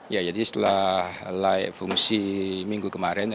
ya jadi setelah layak fungsi minggu kemarin